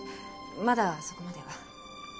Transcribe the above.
まだそこまでは。